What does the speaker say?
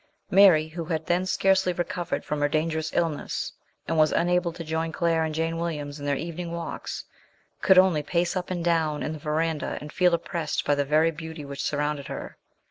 Mary, who had then scarcely recovered from her dangerous illness, and was unable to join Claire and Jane Williams in their evening walks, could only pace up and down in the verandah and feel oppressed by the very beauty which surrounded her.